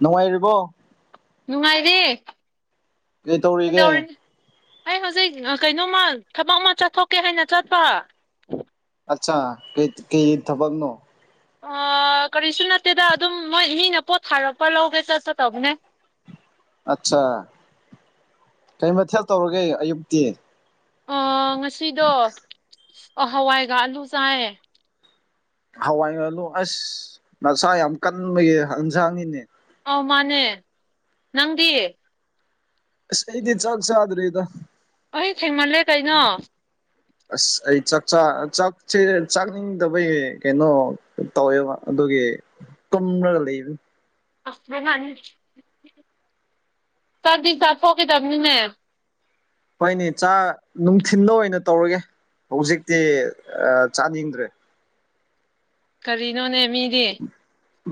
ꯅꯨꯡꯉꯥꯏꯔꯤꯕꯣ? ꯅꯨꯡꯉꯥꯏꯔꯤ ꯀꯩ ꯇꯧꯔꯤꯒꯦ ꯀꯩꯗꯧꯔꯤ ꯑꯩ ꯍꯧꯖꯤꯛ ꯑ ꯀꯩꯅꯣꯃ ꯊꯕꯛ ꯑꯃ ꯆꯠꯊꯣꯛꯀꯦ ꯍꯥꯏꯅ ꯆꯠꯄ꯫ ꯑꯆꯥ ꯀꯩ ꯀꯩ ꯊꯕꯛ ꯅꯣ? ꯑꯥ ꯀꯔꯤꯁꯨ ꯅꯠꯇꯦꯗ ꯑꯗꯨꯝ ꯃꯣꯏ ꯃꯤꯅ ꯄꯣꯠ ꯊꯥꯔꯛꯄ ꯂꯧꯒꯦ ꯆꯠ ꯀꯇꯧꯕꯅꯦ꯫ ꯑꯠꯆꯥ ꯀꯩ ꯃꯊꯦꯜ ꯇꯧꯔꯒꯦ ꯑꯌꯨꯛꯇꯤ? ꯑ ꯉꯁꯤꯗꯣ ꯍꯋꯥꯏꯒ ꯑꯂꯨ ꯆꯥꯏꯌꯦ꯫ ꯍꯋꯥꯏ ꯑꯥꯂꯨ ꯑꯁ ꯅꯆꯥ ꯌꯥꯝ ꯀꯟꯕꯒꯤ ꯍꯤꯟꯖꯥꯡꯅꯤꯅꯦ꯫ ꯑꯧ ꯃꯥꯅꯦ ꯅꯪꯗꯤ? ꯑꯁ ꯑꯩꯗꯤ ꯆꯥꯛ ꯆꯥꯗ꯭ꯔꯤꯗ꯫ ꯑꯩ ꯊꯦꯡꯃꯜꯂꯦ ꯀꯩꯅꯣ! [inaudible] ꯑꯁ ꯑꯩ ꯆꯥꯛꯆꯥ ꯆꯥꯛꯁꯦ ꯆꯥꯛꯅꯤꯡꯗꯕꯒꯤ ꯀꯩꯅꯣ ꯇꯧꯋꯦꯕ ꯑꯗꯨꯒꯤ ꯇꯨꯝꯔꯒ ꯂꯩꯕꯅꯤ꯫ [unintelligible] ꯆꯥꯛꯗꯤ ꯆꯥꯊꯣꯛꯈꯤꯗꯕꯅꯤꯅꯦ꯫ ꯍꯣꯏꯅꯤ ꯆꯥ ꯅꯨꯡꯊꯤꯜꯗ ꯑꯣꯏꯅ ꯇꯧꯔꯒꯦ ꯍꯧꯖꯤꯛꯇꯤ ꯑ ꯆꯥꯅꯤꯡꯗ꯭ꯔꯦ꯫ ꯀꯔꯤꯅꯣꯅꯦ ꯃꯤꯗꯤ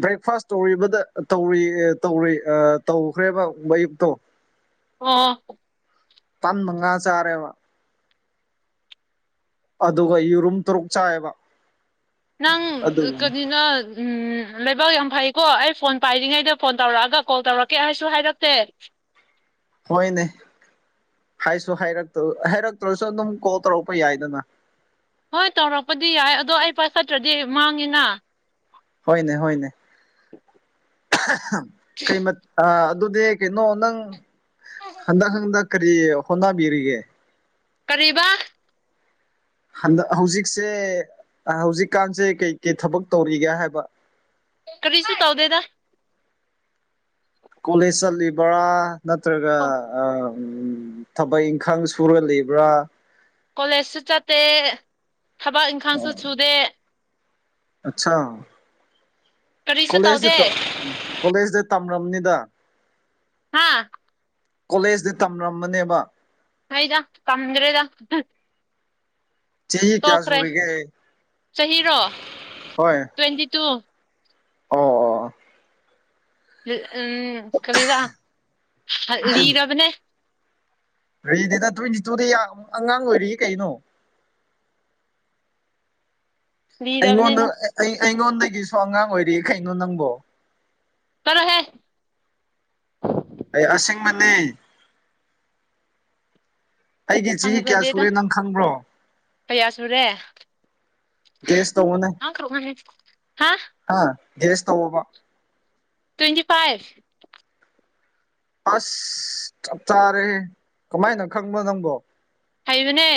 ꯕ꯭ꯔꯦꯛꯐꯥꯁ ꯇꯧꯔꯤꯕꯗ ꯇꯧꯔꯤ ꯇꯧꯔꯤ ꯑ ꯇꯧꯈ꯭ꯔꯦꯕ ꯑꯌꯨꯛꯇꯣ꯫ [inaudible] ꯑꯣ ꯄꯟꯕ ꯉꯥ ꯆꯥꯔꯦꯕ ꯑꯗꯨꯒ ꯌꯦꯔꯨꯝ ꯇꯔꯨꯛ ꯆꯥꯏꯕ ꯅꯪ ꯀꯔꯤꯅ‌ꯣ ꯎꯝ ꯂꯩꯕꯥꯛ ꯌꯥꯝ ꯐꯩꯀꯣ ꯑꯩ ꯐꯣꯟ ꯄꯥꯏꯔꯤꯉꯩꯗ ꯐꯣꯟ ꯇꯧꯔꯛꯑꯒ ꯀꯣꯜ ꯇꯧꯔꯛꯀꯦ ꯍꯥꯏꯁꯨ ꯍꯥꯏꯔꯛꯇꯦ ꯍꯣꯏꯅꯦ ꯍꯥꯏꯁꯨ ꯍꯥꯏꯔꯛꯇ ꯍꯥꯏꯔꯛꯇ꯭ꯔꯁꯨ ꯑꯗꯨꯝ ꯀꯣꯜ ꯇꯧꯔꯛꯄ ꯌꯥꯏꯗꯅ ꯍꯣꯏ ꯇꯧꯔꯛꯄꯗꯤ ꯌꯥꯏ ꯑꯗꯣ ꯑꯩ ꯄꯥꯏꯈꯠꯇ꯭ꯔꯗꯤ ꯃꯥꯡꯉꯤꯅ ꯍꯣꯏꯅꯦ ꯍꯣꯏꯅꯦ ꯀꯩ ꯃ ꯑꯗꯨꯗꯤ ꯀꯩꯅꯣ ꯅꯪ ꯍꯟꯗꯛ ꯍꯪꯗꯛ ꯀꯔꯤ ꯍꯣꯠꯅꯕꯤꯔꯤꯒꯦ ꯀꯔꯤꯕꯥ ꯍꯟꯗꯛ ꯍꯧꯖꯤꯛꯁꯦ ꯍꯧꯖꯤꯛꯀꯥꯟꯁꯦ ꯀꯩꯀꯩ ꯊꯕꯛ ꯇꯧꯔꯤꯒꯦ ꯍꯥꯏꯕ ꯀꯔꯤꯁꯨ ꯇꯧꯗꯦꯗ ꯀꯣꯂꯦꯖ ꯆꯠꯂꯤꯕ꯭ꯔꯥ ꯅꯠꯇ꯭ꯔꯒ ꯑ ꯎꯝ ꯊꯕꯛ ꯏꯪꯈꯥꯡ ꯁꯨꯔ ꯂꯩꯕ꯭ꯔꯥ ꯀꯣꯂꯦꯖꯁꯨ ꯆꯠꯇꯦ ꯊꯕꯛ ꯏꯪꯈꯥꯡꯁꯨ ꯁꯨꯗꯦ ꯑꯠꯆꯥꯥ ꯀꯔꯤꯁꯨ ꯇꯧꯗꯦ ꯀꯣꯂꯦꯖꯇ ꯀꯣꯂꯦꯖꯇꯤ ꯇꯝꯔꯝꯅꯤꯗ ꯍꯥꯥ ꯀꯣꯂꯦꯖꯗꯤ ꯇꯝꯔꯝꯃꯅꯦꯕ ꯑꯩꯗꯥ ꯇꯝꯗ꯭ꯔꯦꯗ ꯆꯍꯤ ꯀꯌꯥ ꯁꯨꯔꯤꯒꯦ ꯆꯥꯍꯤꯔꯣ ꯍꯣꯏ ꯑꯣ ꯑꯣ ꯎꯝ ꯀꯔꯤꯔ ꯂꯤꯔꯕꯅꯦ ꯔꯤꯗꯦꯗꯥ ꯇ꯭ꯋꯦꯟꯇꯤ ꯇꯨꯗꯤ ꯌꯥꯝ ꯑꯉꯥꯡ ꯑꯣꯏꯔꯤꯌꯦ ꯀꯩꯅꯣ ꯂꯤꯔꯕꯅꯦ ꯑꯩꯉꯣꯟꯗ ꯅꯪ ꯑꯩ ꯑꯩꯉꯣꯟꯗꯒꯤꯁꯨ ꯑꯉꯥꯡ ꯑꯣꯏꯔꯤ ꯀꯩꯅꯣ ꯅꯪꯕꯣ ꯆꯠꯂꯣꯍꯦ ꯑꯩ ꯑꯁꯦꯡꯕꯅꯤ ꯑꯩꯒꯤ ꯆꯍꯤ ꯀꯌꯥ ꯍꯪꯖꯗꯦꯗ ꯁꯨꯔꯦ ꯅꯪ ꯈꯪꯕ꯭ꯔꯣ ꯀꯌꯥ ꯁꯨꯔꯦ ꯒ꯭ꯌꯦꯁ ꯇꯧꯋ‌ꯣꯅꯦ ꯍꯥ ꯒ꯭ꯌꯦꯁ ꯇꯧꯋꯣꯕ ꯇ꯭ꯋꯦꯟꯇꯤ ꯐꯥꯏꯚ ꯑꯁ ꯆꯞꯆꯥꯔꯦꯍꯦ ꯀꯃꯥꯏꯅ ꯈꯪꯕ꯭ꯔꯥ ꯅꯪꯕꯣ ꯍꯩꯕꯅꯦ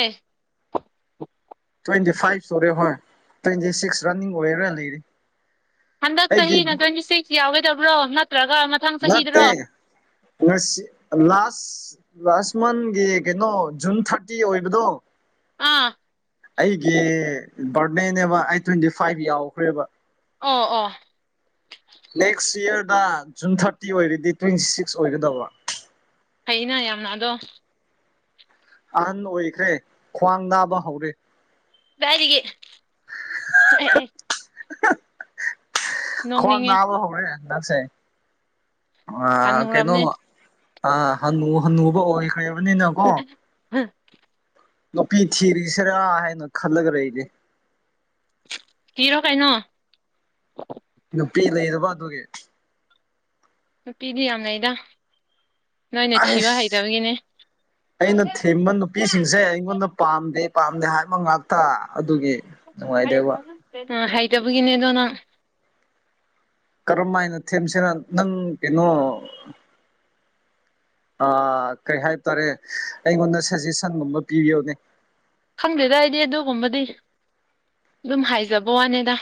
ꯇ꯭ꯋꯦꯟꯇꯤ ꯐꯥꯏꯚ ꯁꯨꯔꯦ ꯍꯣꯏ ꯇ꯭ꯋꯦꯟꯇꯤ ꯁꯤꯛꯁ ꯔꯟꯅꯤꯡ ꯑꯣꯏꯔꯥ ꯂꯩꯔꯤ ꯍꯟꯗꯛ ꯑꯩꯒꯤ ꯆꯍꯤꯅ ꯇ꯭ꯋꯦꯟꯇꯤ ꯁꯤꯛꯁ ꯌꯥꯎꯒꯗꯕ꯭ꯔꯣ ꯅꯠꯇ꯭ꯔꯒ ꯃ ꯅꯠꯇꯦ ꯉꯁꯤ ꯂꯥꯁ ꯂꯥꯁ ꯃꯟꯒꯤ ꯀꯩꯅꯣ ꯖꯨꯟ ꯊꯥꯔꯇꯤ ꯑꯣꯏꯕꯗꯣ ꯑꯥ ꯑꯩꯒꯤ ꯕꯥꯔꯗꯦꯅꯦꯕ ꯑꯩ ꯇ꯭ꯋꯦꯟꯇꯤ ꯐꯥꯏꯚ ꯌꯥꯎꯈ꯭ꯔꯦꯕ ꯑꯣ ꯑꯣ ꯅꯦꯛꯁ ꯏꯌꯥꯔꯗ ꯖꯨꯟ ꯊꯥꯔꯇꯤ ꯑꯣꯏꯔꯗꯤ ꯇ꯭ꯋꯦꯟꯇꯤ ꯁꯤꯛꯁ ꯑꯣꯏꯒꯗꯕ ꯐꯩꯩꯅ ꯌꯥꯝꯅ ꯑꯗꯣ ꯑꯍꯟ ꯑꯣꯏꯔꯤꯈꯩ ꯈ꯭ꯋꯥꯡꯥ ꯅꯥꯕ ꯍꯧꯔꯦ ꯕ‌ꯦꯔꯤꯒꯤ ꯑꯩꯑꯦ ꯑꯦ [unintelligible] ꯈ꯭ꯋꯥꯡ ꯅꯣꯡꯅꯤꯡꯉꯦ ꯅꯥꯕ ꯍꯧꯔꯦ ꯍꯟꯗꯛꯁꯦ ꯑ ꯀꯩꯅꯣ ꯍꯟꯅꯨꯔꯕꯅꯦ ꯑ ꯍꯅꯨ ꯍꯟꯅꯨꯕ ꯑꯣꯏꯈ꯭ꯔꯕꯅꯤꯅ ꯎꯝ ꯅꯨꯄꯤ ꯊꯤꯔꯤꯁꯤꯔꯥ ꯍꯥꯏꯅ ꯈꯜꯂꯒ ꯂꯩꯔꯤ ꯀꯤꯔꯣ ꯀꯩꯅꯣ ꯅꯨꯄꯤ ꯂꯩꯔꯕ ꯑꯗꯨꯒꯤ ꯅꯨꯄꯤꯗꯤ ꯌꯥꯝ ꯂꯩꯗ ꯅꯣꯏꯅ ꯊꯤꯕ ꯑꯩꯁ ꯍꯩꯇꯕꯒꯤꯅꯦ [inaudible] ꯑꯩꯅ ꯊꯦꯝꯕ ꯅꯨꯄꯤꯁꯤꯡꯁꯦ ꯑꯩꯉꯣꯟꯗ ꯄꯥꯝꯗꯦ ꯄꯥꯝꯗꯦ ꯍꯥꯏꯕ ꯉꯥꯛꯇ ꯑꯗꯨꯒꯤ ꯅꯨꯡꯉꯥꯏꯗꯕ ꯍꯩꯇꯕꯒꯤꯅꯦ ꯑꯗꯣ ꯅꯪ ꯀꯔꯝ ꯍꯥꯏꯅ ꯊꯦꯝꯁꯤꯅ ꯅꯪ ꯀꯩꯅꯣ ꯑ ꯀꯩ ꯍꯥꯏꯇꯥꯔꯦ ꯑꯩꯉꯣꯟꯗ ꯁꯖꯦꯁꯟꯒꯨꯝꯕ ꯄꯤꯕꯤꯎꯅꯦ ꯈꯪꯗꯦꯗꯏꯗꯤ ꯑꯗꯨꯒꯨꯝꯕꯗꯤ ꯑꯗꯨꯝ ꯍꯥꯏꯖꯕ ꯋꯥꯅꯤꯗ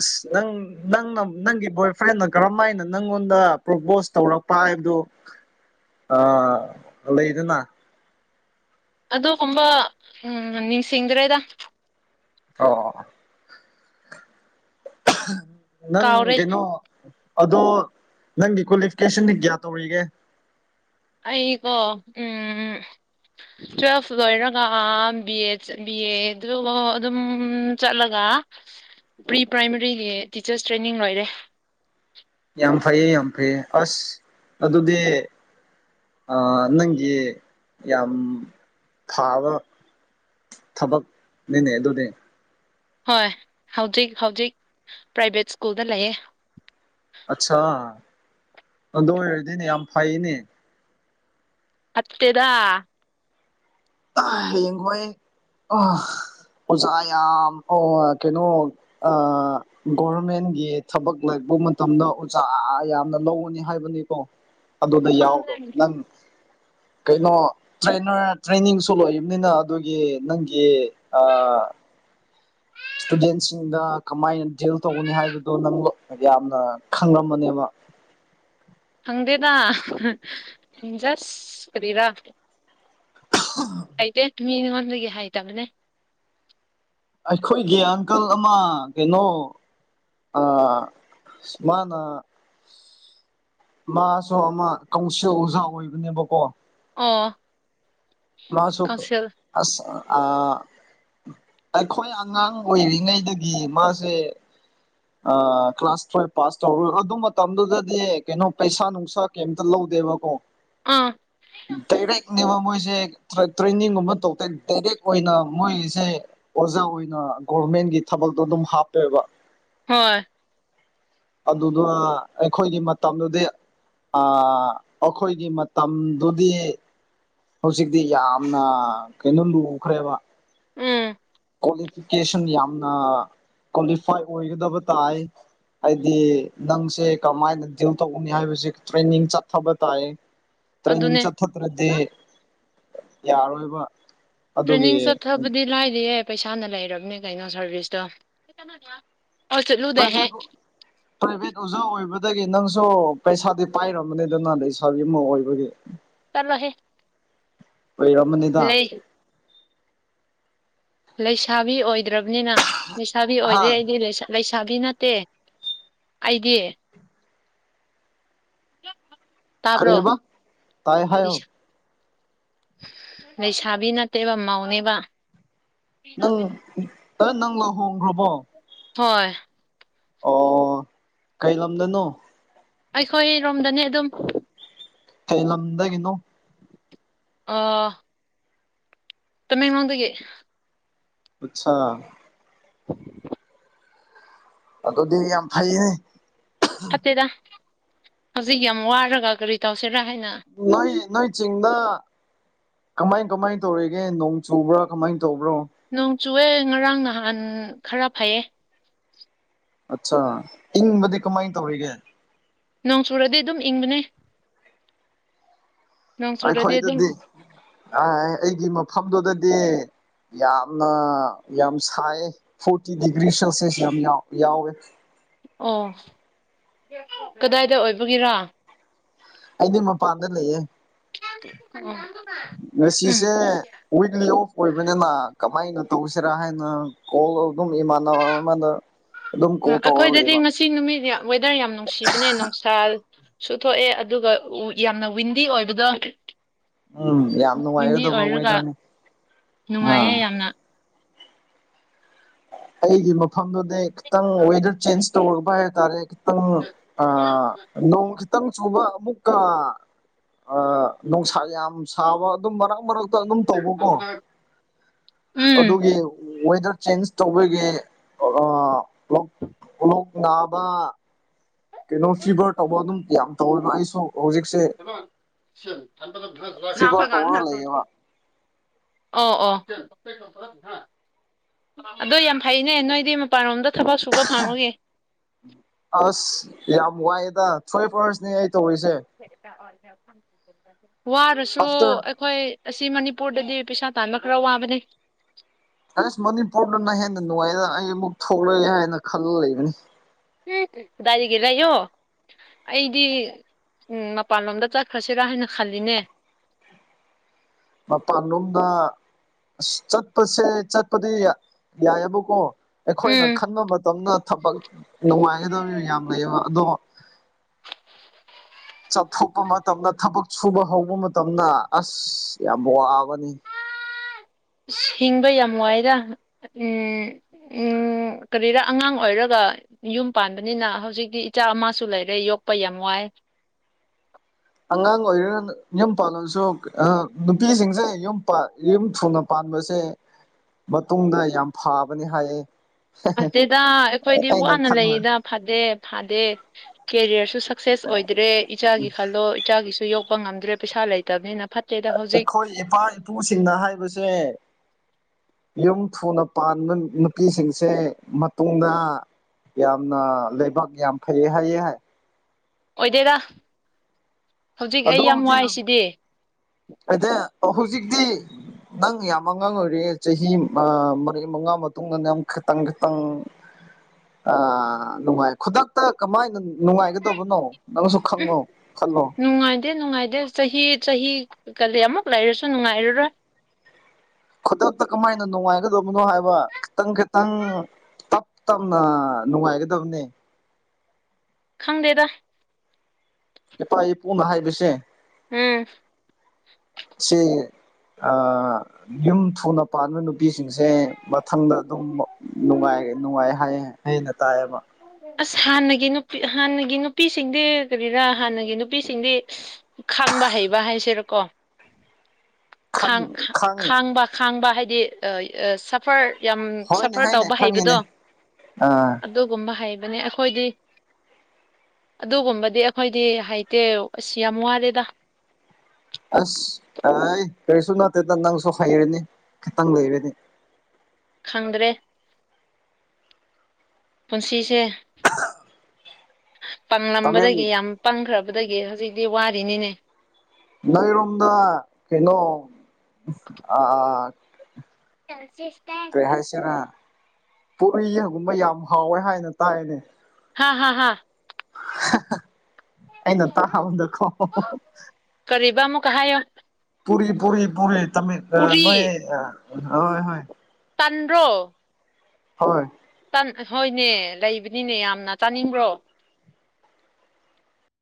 ꯑꯁ ꯅꯪ ꯅꯪꯅ ꯅꯪꯒꯤ ꯕꯣꯏ ꯐ꯭ꯔꯦꯟꯅ ꯀꯔꯝ ꯍꯥꯏꯅ ꯅꯪꯉꯣꯟꯗ ꯄ꯭ꯔꯣꯄꯣꯁ ꯇꯧꯔꯛꯄ ꯍꯥꯏꯕꯗꯨꯣ ꯑ ꯂꯩꯗꯅ ꯑꯗꯨꯒꯨꯝꯕ ꯎ ꯅꯤꯡꯁꯤꯡꯗ꯭ꯔꯦꯗ ꯑꯣ ꯅꯪ ꯀꯥꯎꯔꯦ ꯀꯩꯅꯣ ꯑꯗꯣ ꯅꯪꯒꯤ ꯀ꯭ꯋꯥꯂꯤꯐꯤꯀꯦꯁꯟꯗꯤ ꯀꯌꯥ ꯇꯧꯔꯤꯒꯦ ꯑꯩꯀꯣ ꯎꯝ ꯎꯝ ꯇꯨꯋꯦꯜꯐ ꯂꯣꯏꯔꯒ ꯕꯤ ꯕꯤ ꯑꯦꯗꯨ ꯑꯗꯨꯝ ꯆꯠꯂꯒ ꯄ꯭ꯔꯤ ꯄ꯭ꯔꯥꯏꯃꯔꯤꯒꯤ ꯇꯤꯆꯔꯁ ꯇ꯭ꯔꯦꯅꯤꯡ ꯂꯣꯏꯔꯦ ꯌꯥꯝ ꯐꯩꯌꯦ ꯌꯥꯝ ꯐꯩꯌꯦ ꯑꯁ ꯑꯗꯨꯗꯤ ꯅꯪꯒꯤ ꯌꯥꯝ ꯊꯥꯕ ꯊꯕꯛꯅꯤꯅꯦ ꯑꯗꯨꯅꯦ ꯍꯣꯏ ꯍꯧꯖꯤꯛ ꯍꯧꯖꯤꯛ ꯄ꯭ꯔꯥꯏꯚꯦꯠ ꯁ꯭ꯀꯨꯜꯗ ꯂꯩꯌꯦ ꯑꯆꯥꯗꯣꯗꯤꯅꯦ ꯌꯥꯝ ꯐꯅꯦ ꯑꯠꯇꯩꯗ ꯍꯌꯦꯡꯈꯣꯏ ꯑꯣꯖꯥ ꯌꯥꯝ ꯑꯣ ꯀꯩꯅꯣ ꯑ ꯒꯣꯚꯔꯃꯦꯟꯒꯤ ꯊꯕꯛ ꯂꯔꯛꯄ ꯃꯇꯝꯗ ꯑꯣꯖꯥ ꯌꯥꯝꯅ ꯂꯧꯒꯅꯤ ꯍꯥꯏꯕꯅꯤꯀꯣ ꯑꯗꯨꯗ ꯌꯥꯎꯔꯣ ꯈꯪꯗꯦ ꯅꯪ ꯀꯩꯅꯣ ꯇ꯭ꯔꯦꯅꯔ ꯇ꯭ꯔꯦꯅꯤꯡꯁꯨ ꯂꯣꯏꯕꯅꯤꯅ ꯑꯗꯨꯒꯤ ꯅꯪꯒꯤ ꯏꯁꯇꯨꯗꯦꯟꯁꯤꯡꯗ ꯀꯃꯥꯏꯅ ꯗꯤꯜ ꯇꯧꯒꯅꯤ ꯍꯥꯏꯕꯗꯣ ꯅꯪ ꯌꯥꯝꯅ ꯈꯪꯂꯝꯝꯕꯅꯦꯕ ꯈꯪꯗꯦꯗ ꯖꯁ ꯀꯔꯤꯔꯥ ꯍ ꯑꯥꯏꯗꯦ ꯇꯃꯤꯣꯟꯒꯦ ꯍꯥꯏ ꯇ ꯃꯅꯦ ꯑꯩꯈꯣꯏꯒꯤ ꯑꯪꯀꯜ ꯑꯃ ꯀꯩꯅꯣ ꯑ ꯁ ꯃꯥꯅ ꯃꯥꯁꯨ ꯑꯃ ꯀꯁꯤ ꯎꯖꯥ ꯑꯣꯏꯕꯅꯦꯕꯀꯣ ꯑꯣ ꯃꯥꯁꯨꯈ ꯀꯥꯎꯟꯁꯤꯜ ꯑꯁ ꯑ ꯑꯩꯈꯣꯏ ꯑꯉꯥꯡ ꯑꯣꯏꯔꯤꯉꯩꯗꯒꯤ ꯃꯥꯁꯦ ꯀ꯭ꯂꯥꯁ ꯇꯨꯋꯜꯚ ꯄꯥꯁ ꯇꯧꯔꯣꯏ ꯑꯗꯨ ꯃꯇꯝꯗꯨꯗꯗꯤ ꯀꯩꯅꯣ ꯄꯩꯁꯥ ꯅꯨꯡꯁꯥ ꯀꯝꯇ ꯂ ꯗꯦꯕ ꯀꯣ ꯑꯥ ꯇꯔꯦꯛꯅꯦꯕ ꯃꯣꯏꯁꯦ ꯇ꯭ꯔꯦ ꯇ꯭ꯔꯦꯅꯤꯡꯒꯨꯝꯕ ꯇꯧꯗꯦ ꯗꯥꯏꯔꯦꯛ ꯑꯣꯏꯅ ꯃꯣꯏꯁꯦ ꯑꯣꯖꯥ ꯑꯣꯏꯅ ꯒꯣꯔꯃꯦꯟꯒꯤ ꯊꯕꯛꯇꯣ ꯑꯗꯨꯝ ꯍꯥꯞꯄꯦꯕ ꯍꯣꯏ ꯑꯗꯨꯗ ꯑ ꯑꯩꯈꯣꯏꯒꯤ ꯃꯇꯝꯗꯨꯗꯤ ꯑ ꯑꯈꯣꯏꯒꯤ ꯃꯇꯝꯗꯨꯗꯤ ꯍꯧꯖꯤꯛꯇꯤ ꯌꯥꯝꯅ ꯀꯩꯅꯣ ꯂꯨꯈ꯭ꯔꯦꯕ ꯎꯝ ꯀ꯭ꯋꯥꯂꯤꯐꯤꯀꯦꯁꯟ ꯌꯥꯝꯅ ꯀ꯭ꯋꯥꯂꯤꯐꯥꯏ ꯑꯣꯏꯒꯗꯕ ꯇꯥꯏ ꯍꯥꯏꯗꯤ ꯅꯪꯁꯦ ꯀꯃꯥꯏꯅ ꯗꯤꯜ ꯇꯧꯒꯅꯤ ꯍꯥꯏꯕꯁꯦ ꯇ꯭ꯔꯦꯅꯤꯡ ꯆꯠꯊꯕ ꯇꯥꯏ ꯇ꯭ꯔꯦꯅꯤꯡ ꯑꯗꯨꯅꯦ ꯆꯠꯊꯇ꯭ꯔꯗꯤ ꯌꯥꯔꯣꯏꯕ ꯑꯗꯨꯒꯤ ꯇ꯭ꯔꯦꯅꯤꯡ ꯆꯠꯊꯕꯗꯤ ꯂꯥꯏꯔꯤꯌꯦ ꯄꯩꯁꯥꯅ ꯂꯩꯔꯕꯅꯦ ꯀꯩꯅꯣ ꯁꯥꯔꯚꯤꯁꯇꯣ ꯑꯣ ꯆꯠꯂꯨꯗꯍꯦ ꯄ‍꯭ꯔꯥꯏꯚꯦꯠ ꯑꯣ ꯄ꯭ꯔꯥꯏꯚꯦꯠ ꯑꯣꯖꯥ ꯑꯣꯏꯕꯗꯒꯤ ꯅꯪꯁꯨ ꯄꯩꯁꯥꯗꯤ ꯄꯥꯏꯔꯝꯃꯅꯤꯗꯅ ꯂꯩꯁꯥꯕꯤ ꯑꯃ ꯑꯣꯏꯕꯒꯤ [unintelligible] ꯆꯠꯂꯣꯍꯦ ꯄꯩꯔꯝꯃꯅꯤꯗ ꯂꯩ ꯂꯩꯁꯥꯕꯤ ꯑꯣꯏꯗ꯭ꯔꯕꯅꯤꯅ ꯂꯩꯁꯥꯕꯤ ꯍꯥ ꯑꯣꯏꯗ꯭ꯔꯦ ꯑꯩꯗꯤ ꯂꯩꯁꯥ ꯂꯩꯁꯥꯕꯤ ꯅꯠꯇꯦ ꯑꯩꯗꯤ ꯇꯥꯕ꯭ꯔꯣ ꯀꯔꯤꯕ ꯇꯥꯏ ꯍꯥꯏꯌꯣ [unintelligible] ꯂꯩꯁꯥꯕꯤ ꯅꯠꯇꯦꯕ ꯃꯧꯅꯦꯕ ꯅꯪ ꯍ ꯅꯪ ꯂꯍꯣꯡꯒ꯭ꯔꯕꯣ ꯍꯣꯏ ꯑꯣ ꯀꯩ ꯂꯝꯗꯅꯣ ꯑꯩꯈꯣꯏꯔꯣꯝꯗꯅꯤ ꯑꯗꯨꯝ ꯀꯩ ꯂꯝꯗꯒꯤꯅꯣ ꯑꯥ ꯇꯃꯦꯡꯂꯣꯡꯗꯒꯤ ꯑꯠꯁꯥ [unintelligible] ꯑꯗꯨꯗꯤ ꯌꯥꯝ ꯐꯩꯍꯦ ꯐꯠꯇꯦꯗ ꯍꯧꯖꯤꯛ ꯌꯥꯝ ꯋꯥꯔꯒ ꯀꯔꯤ ꯇꯧꯁꯤꯔꯥ ꯍꯥꯏꯅ ꯅꯣꯏ ꯅꯣꯏ ꯆꯤꯡꯗ ꯀꯃꯥꯏ ꯀꯃꯥꯏꯟ ꯇꯧꯔꯤꯒꯦ ꯅꯣꯡ ꯆꯨꯕ꯭ꯔꯥ ꯀꯃꯥꯏꯟ ꯇꯧꯕ꯭ꯔꯣ ꯅꯣꯡ ꯆꯨꯑꯦ ꯉꯔꯥꯡ ꯅꯍꯥꯟ ꯈꯔ ꯐꯩꯌꯦ ꯑꯠꯁꯥ ꯏꯪꯕꯗꯤ ꯀꯃꯥꯏꯟ ꯇꯧꯔꯤꯒꯦ ꯅꯣꯡ ꯆꯨꯔꯗꯤ ꯑꯗꯨꯝ ꯏꯪꯕꯅꯦ ꯅꯣꯡ ꯆꯨꯔꯗꯤ ꯑꯗꯨꯝ ꯑꯩꯈꯣꯏꯗꯗꯤ ꯑ ꯑꯩꯒꯤ ꯃꯐꯝꯗꯨꯗꯗꯤ ꯌꯥꯝꯅ ꯌꯥꯝ ꯁꯥꯏꯌꯦ ꯐꯣꯔꯇꯤ ꯗꯤꯒ꯭ꯔꯤ ꯁꯦꯜꯁꯁ ꯌꯥꯝ ꯌꯥꯎ ꯌꯥꯎꯋꯦ ꯑꯣ ꯀꯗꯥꯏꯗ ꯑꯣꯏꯕꯒꯤꯔꯥ ꯑꯩꯗꯤ ꯃꯄꯥꯟꯗ ꯂꯩꯌꯦ ꯑꯣ ꯎꯝ ꯉꯁꯤꯁꯦ ꯋꯤꯛꯂꯤ ꯑꯣꯐ ꯑꯣꯏꯕꯅꯤꯅ ꯀꯃꯥꯏꯅ ꯇꯧꯁꯤꯔꯥ ꯍꯥꯏꯅ ꯀꯣꯜ ꯑꯗꯨꯝ ꯏꯃꯥꯟꯅꯕ ꯑꯃꯗ ꯑꯗꯨꯝ ꯑ ꯀꯣꯜ ꯇꯧꯔꯒ ꯑꯩꯈꯣꯏꯗꯗꯤ ꯂꯩꯕ ꯉꯁꯤ ꯅꯨꯃꯤꯠ ꯌꯥ ꯋꯦꯗꯔ ꯌꯥꯝ ꯅꯨꯡꯁꯤꯕꯅꯦ ꯅꯨꯡꯁꯥꯜ ꯁꯨ ꯊꯣꯛꯑꯦ ꯑꯗꯨꯒ ꯌꯥꯝꯅ ꯋꯤꯟꯗꯤ ꯑꯣꯏꯕꯗꯣ ꯎꯝ ꯌꯥꯝ ꯋꯤꯟꯗꯤ ꯅꯨꯡꯉꯥꯏꯒꯗꯕ ꯑꯣꯏꯔꯒ ꯋꯦꯗꯔꯅꯤ ꯑꯥ ꯅꯨꯡꯉꯥꯏꯌꯦ ꯌꯥꯝꯅ ꯑꯩꯒꯤ ꯃꯐꯝꯗꯨꯅꯦ ꯈꯤꯇꯪ ꯋꯦꯗꯔ ꯆꯦꯟꯖ ꯇꯧꯕ ꯍꯥꯏꯇꯥꯥꯔꯦ ꯈꯤꯇꯪ ꯑ ꯅꯣꯡ ꯈꯤꯇꯪ ꯆꯨꯕ ꯑꯃꯨꯛꯀ ꯅꯨꯡꯁꯥ ꯌꯥꯝ ꯁꯥꯕ ꯑꯗꯨꯝ ꯃꯔꯛ ꯃꯔꯛ ꯑꯗꯨꯝ ꯇꯧꯕꯀꯣ ꯎꯝ ꯑꯗꯨꯒꯤ ꯋꯦꯗꯔ ꯆꯦꯟꯖ ꯇꯧꯕꯒꯤ ꯂꯣꯛ ꯅꯥꯕ ꯀꯩꯅꯣ ꯐꯤꯕꯔ ꯇꯧꯕ ꯑꯗꯨꯝ ꯌꯥꯝ ꯇꯧꯋꯦꯕ ꯑꯩꯁꯨ ꯍꯧꯖꯤꯛꯁꯦ ꯁꯤ ꯊ ꯐꯤꯚꯔ ꯇꯧꯔ ꯂꯩꯌꯦꯕ [unintelligible] ꯑꯣ ꯑꯣ ꯑꯗꯣ ꯌꯥꯝ ꯐꯩꯅꯦ ꯅꯣꯏꯗꯤ ꯃꯄꯥꯥꯟꯂꯣꯝꯗ ꯊꯕꯛ ꯁꯨꯕ ꯐꯪꯕꯒꯤ ꯑꯁ ꯌꯥꯝ ꯋꯥꯏꯑꯦꯗ ꯊ꯭ꯋꯐ ꯑꯥꯋꯥꯔꯁꯅꯦ ꯑꯩ ꯇꯧꯔꯤꯁꯦ ꯋꯥꯔꯁꯨ ꯑꯥꯐꯇꯔ ꯑꯩꯈꯣꯏ ꯑꯁꯤ ꯃꯅꯤꯄꯨꯔꯗꯗꯤ ꯄꯩꯁꯥ ꯇꯥꯟꯕ ꯈꯔ ꯋꯥꯕꯅꯦ ꯑꯁ ꯃꯅꯤꯄꯨꯔꯗꯨꯅ ꯍꯦꯟꯅ ꯅꯨꯡꯉꯥꯏꯅ ꯑꯩ ꯑꯃꯨꯛ ꯊꯣꯛꯂꯒꯦ ꯍꯥꯏꯅ ꯈꯜꯂ ꯂꯩꯕꯅꯤ ꯑꯝ ꯀꯗꯥꯏꯗꯒꯤ ꯂꯩꯌꯣ ꯑꯩꯗꯤ ꯃꯄꯥꯟꯂꯣꯝꯗ ꯆꯠꯈ꯭ꯔꯁꯤꯔꯥ ꯍꯥꯏꯅ ꯈꯜꯂꯤꯅꯦ ꯃꯄꯥꯟꯂꯣꯝꯗ ꯑꯁ ꯆꯠꯄꯁꯦ ꯆꯠꯄꯗꯤ ꯌꯥꯏꯕꯨꯀꯣ ꯑꯩꯈꯣꯏꯅ ꯎꯝ ꯈꯟꯕ ꯃꯇꯝꯗ ꯊꯕꯛ ꯅꯨꯡꯉꯥꯏꯒꯗꯕ ꯌꯥꯝ ꯂꯩꯌꯦꯕ ꯑꯗꯣ ꯆꯠꯊꯣꯛꯄ ꯃꯇꯝꯗ ꯊꯕꯛ ꯁꯨꯕ ꯍꯧꯕ ꯃꯇꯝꯗ ꯑꯁ ꯌꯥꯝ ꯋꯥꯕꯅꯤ ꯍꯤꯡꯕ ꯌꯥꯝ ꯋꯥꯢꯌꯦꯗ ꯎꯝ ꯎꯝ ꯀꯔꯤꯔ ꯑꯉꯥꯡ ꯑꯣꯏꯔꯒ ꯌꯨꯝ ꯄꯥꯟꯕꯅꯤꯅ ꯍꯧꯖꯤꯛꯇꯤ ꯏꯆꯥ ꯑꯃꯁꯨ ꯂꯩꯔꯦ ꯌꯣꯛꯄ ꯌꯥꯝ ꯋꯥꯏ ꯑꯉꯥꯡ ꯑꯣꯏꯔ ꯌꯨꯝ ꯄꯥꯜꯂꯁꯨ ꯅꯨꯄꯤꯁꯤꯡꯁꯦ ꯌꯨꯝ ꯊꯨꯅ ꯄꯥꯟꯕꯁꯦ ꯃꯇꯨꯡꯗ ꯌꯥꯝ ꯐꯥꯕꯅꯦ ꯍꯥꯏꯌꯦ ꯐꯠꯇꯦꯗ ꯑꯩꯈꯣꯏꯗꯤ ꯑꯩꯅ ꯋꯥꯅ ꯈꯟꯕ ꯂꯩꯔꯤꯗ ꯐꯗꯦ ꯐꯗꯦ ꯀꯦꯔꯤꯌꯔꯁꯨ ꯁꯛꯁꯦꯁ ꯑꯣꯏꯗ꯭ꯔꯦ ꯏꯆꯥꯒꯤ ꯈꯜꯂꯣ ꯢꯆꯥꯒꯤꯁꯨ ꯌꯣꯛꯄ ꯉꯝꯗ꯭ꯔꯦ ꯄꯩꯁꯥ ꯂꯩꯇꯕꯅꯤꯅ ꯐꯠꯇꯦꯗ ꯍꯧꯖꯤꯛ ꯑꯩꯈꯣꯏ ꯏꯄꯥ ꯏꯄꯨꯁꯤꯡꯅ ꯍꯥꯏꯕꯁꯦ ꯌꯨꯝ ꯊꯨꯅ ꯄꯥꯟꯕ ꯅꯨꯄꯤꯁꯤꯡꯁꯦ ꯃꯇꯨꯡꯗ ꯌꯥꯝꯅ ꯂꯩꯕꯥꯛ ꯌꯥꯝ ꯐꯩꯌꯦ ꯍꯥꯏꯌꯦ ꯍꯥꯏ ꯑꯣꯏꯗꯦꯗ ꯍꯧꯖꯤꯛ ꯑꯩ ꯌꯥꯝ ꯋꯥꯏꯁꯤꯗꯤ ꯅꯠꯇꯦ ꯍꯧꯖꯤꯛꯇꯤ ꯅꯪ ꯌꯥꯝ ꯑꯉꯥꯡ ꯑꯣꯏꯔꯤ ꯆꯍꯤ ꯃꯔꯤ ꯃꯉꯥ ꯃꯇꯨꯡꯗ ꯅꯪ ꯈꯤꯇꯪ ꯈꯤꯇꯪ ꯑꯥ ꯅꯨꯡꯉꯥꯏ ꯈꯨꯗꯛꯇ ꯀꯃꯥꯏꯅ ꯅꯨꯡꯉꯥꯏꯒꯗꯧꯕꯅꯣ ꯑꯝ ꯅꯨꯡꯉꯥꯏꯗꯦ ꯅꯨꯡꯉꯥꯏꯗꯦ ꯆꯍꯤ ꯆꯍꯤ ꯀꯗꯤ ꯑꯃꯨꯛ ꯂꯩꯔꯁꯨ ꯅꯨꯡꯉꯥꯏꯔꯔꯣꯏ ꯈꯨꯗꯛꯇ ꯀꯃꯥꯏꯅ ꯅꯨꯡꯉꯥꯏꯒꯗꯕꯅꯣ ꯍꯥꯏꯕ ꯈꯤꯇꯪ ꯈꯤꯇꯪ ꯇꯞ ꯇꯞꯅ ꯅꯨꯡꯉꯥꯏꯒꯗꯕꯅꯦ ꯈꯪꯗꯦꯗ ꯏꯄꯥ ꯏꯄꯨꯅ ꯍꯥꯏꯕꯁꯦ ꯎꯝ ꯁꯤ ꯑꯥ ꯌꯨꯝ ꯊꯨꯅ ꯄꯥꯟꯕ ꯅꯨꯄꯤꯁꯤꯡꯁꯦ ꯃꯊꯪꯗ ꯑꯗꯨꯝ ꯅꯨꯡꯉꯥꯏ ꯅꯨꯡꯉꯥꯏ ꯍꯥꯏꯌꯦ ꯑꯩꯅ ꯇꯥꯏꯌꯦꯕ ꯑꯁ ꯍꯥꯟꯅꯒꯤ ꯅꯨꯄꯤ ꯍꯥꯟꯅꯒꯤ ꯅꯨꯄꯤꯁꯤꯡꯗꯤ ꯀꯔꯤꯔꯥ ꯍꯥꯟꯅꯒꯤ ꯅꯨꯄꯤꯁꯤꯡꯗꯤ ꯈꯥꯡꯕ ꯍꯩꯕ ꯍꯥꯏꯁꯤꯔꯀꯣ ꯈꯟ ꯈꯥꯡ ꯈꯥ ꯈꯪ ꯈꯥꯡꯕ ꯈꯥꯡꯕ ꯍꯥꯏꯗꯤ ꯑꯑ ꯁꯐꯔ ꯌꯥꯝ ꯍꯣꯏꯅꯦ ꯁꯐꯔ ꯍꯣꯏꯅꯦ ꯇꯧꯕ ꯈꯪꯉꯤꯅꯦ ꯍꯩꯕꯗꯣ ꯑꯥ ꯑꯗꯨꯒꯨꯝꯕ ꯍꯩꯕꯅꯦ ꯑꯩꯈꯣꯏꯗꯤ ꯑꯗꯨꯒꯨꯝꯕꯗꯤ ꯑꯩꯈꯣꯏꯗꯤ ꯍꯩꯇꯦ ꯑꯁ ꯌꯥꯝ ꯋꯥꯔꯦꯗ ꯑꯁ ꯑꯦ ꯀꯔꯤꯁꯨ ꯅꯠꯇꯦꯗ ꯅꯪꯁꯨ ꯍꯩꯔꯅꯤ ꯈꯤꯇꯪ ꯂꯩꯔꯅꯤ ꯈꯪꯗ꯭ꯔꯦ ꯄꯨꯟꯁꯤꯁꯦ ꯇꯃꯦꯡ ꯄꯪꯂꯝꯕꯗꯒꯤ ꯌꯥꯝ ꯄꯪꯈ꯭ꯔꯕꯗꯒꯤ ꯍꯧꯖꯤꯛꯇꯤ ꯋꯥꯔꯤꯅꯤꯅꯦ ꯅꯣꯏꯔꯣꯝꯗ ꯀꯩꯅꯣ ꯑꯥ [unintelligible] ꯀꯩ ꯍꯥꯏꯁꯤꯔꯥ ꯄꯨꯔꯤ ꯒꯨꯝꯕ ꯌꯥꯝ ꯍꯥꯎꯋꯦ ꯍꯥꯏꯅ ꯇꯥꯏꯅꯦ ꯍꯥꯍꯥꯍꯥ ꯑꯩꯅ ꯇꯥꯕꯗꯀꯣ ꯀꯔꯤꯕ ꯑꯃꯨꯛꯀ ꯍꯥꯏꯌꯣ ꯄꯨꯔꯤ ꯄꯨꯔꯤ ꯄꯨꯔꯤ ꯇꯝꯃꯤ ꯑ ꯄꯨꯔꯤ ꯅꯣꯏ ꯑ ꯍꯣꯏ ꯍꯣꯏ ꯇꯟꯔꯣ ꯍꯣꯏ ꯇꯟ ꯑꯍꯣꯏꯅꯦ ꯂꯩꯕꯅꯤꯅꯦ ꯌꯥꯝꯅ ꯆꯥꯅꯤꯡꯕ꯭ꯔꯣ